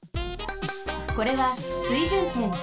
これは水準点。